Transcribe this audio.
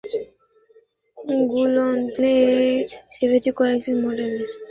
Google Play সেবাটি কয়েকটি মডেলের অ্যান্ড্রয়েড ফোনের জন্য বন্ধ করতে যাচ্ছে গুগল।